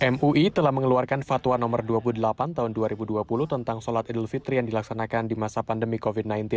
mui telah mengeluarkan fatwa nomor dua puluh delapan tahun dua ribu dua puluh tentang sholat idul fitri yang dilaksanakan di masa pandemi covid sembilan belas